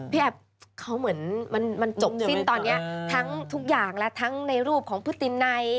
แอบเขาเหมือนมันจบสิ้นตอนนี้ทั้งทุกอย่างและทั้งในรูปของพฤตินัย